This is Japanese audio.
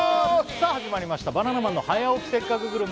さあ始まりました「バナナマンの早起きせっかくグルメ！！」